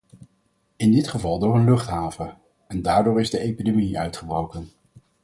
In dit geval door een luchthaven en daardoor is de epidemie uitgebroken.